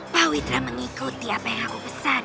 pak witra mengikuti apa yang aku pesankan